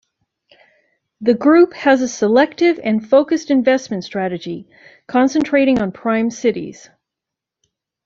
The Group has a selective and focused investment strategy, concentrating on prime cities.